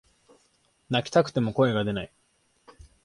泣きたくても声が出ない